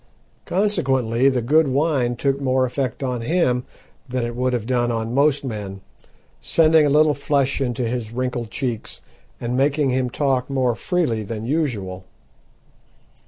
Consequently the good wine took more effect on him than it would have done on most men, sending a little flush into his wrinkled cheeks, and making him talk more freely than usual.